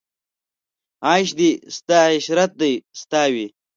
عیش دې ستا عشرت دې ستا وي